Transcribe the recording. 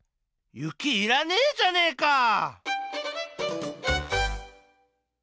雪いらねえじゃねえか！